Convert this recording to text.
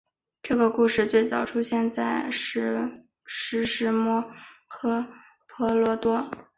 这个故事最早出现于史诗摩诃婆罗多。